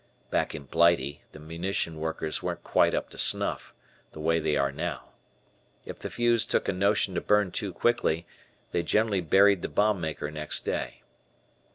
Back in Blighty the munition workers weren't quite up to snuff, the way they are now. If the fuse took a notion to burn too quickly, they generally buried the bombmaker next day.